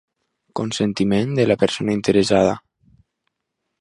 Consentiment de la persona interessada.